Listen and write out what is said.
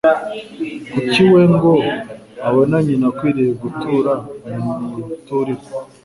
kuri we ngo abona nyina akwiriye gutura mu muturirwa